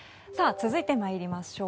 続いてまいりましょう。